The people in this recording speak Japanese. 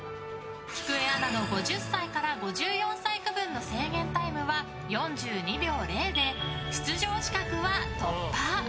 きくえアナの５０歳から５４歳区分の制限タイムは４２秒０で出場資格は突破。